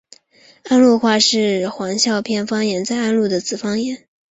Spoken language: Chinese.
安陆话是黄孝片方言在安陆的子方言。